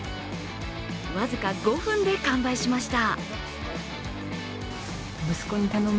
僅か５分で完売しました。